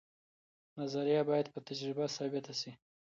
نظریه باید په تجربه ثابته سي.